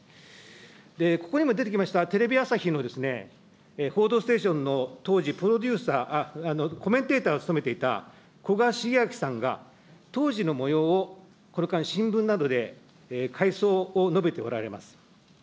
ここにも出てきましたテレビ朝日の報道ステーションの当時、プロデューサー、コメンテーターを務めていたこがしげあきさんが、当時のもようを、この間、新聞などで回想を述べておられます。